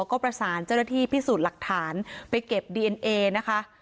ก็ประสานเจ้าหน้าที่พิสูจน์หลักฐานไปเก็บดีเอ็นเอนะคะ